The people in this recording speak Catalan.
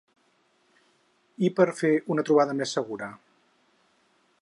I per fer una trobada més segura?